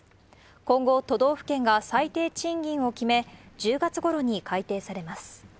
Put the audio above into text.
今後、都道府県が最低賃金を決め、１０月ごろに改定されます。